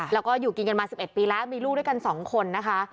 แล้วก็อยู่กินกันมา๑๑ปีแล้วมีลูกด้วยกัน๒คนนะคะ